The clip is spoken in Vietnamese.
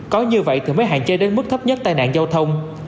có như vậy thì mới hạn chế đến mức thấp nhất tai nạn giao thông